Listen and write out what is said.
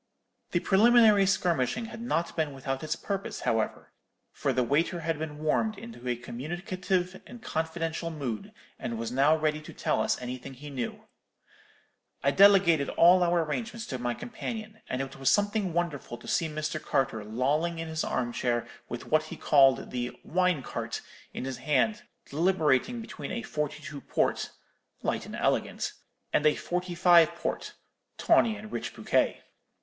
The preliminary skirmishing had not been without its purpose, however; for the waiter had been warmed into a communicative and confidential mood, and was now ready to tell us anything he knew. "I delegated all our arrangements to my companion; and it was something wonderful to see Mr. Carter lolling in his arm chair with what he called the 'wine cart' in his hand, deliberating between a forty two port, 'light and elegant,' and a forty five port, 'tawny and rich bouquet.'